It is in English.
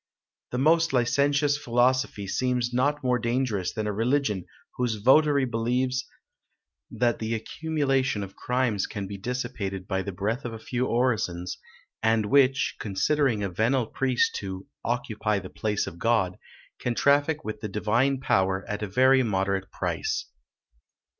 The most licentious philosophy seems not more dangerous than a religion whose votary believes that the accumulation of crimes can be dissipated by the breath of a few orisons, and which, considering a venal priest to "occupy the place of God," can traffic with the divine power at a very moderate price.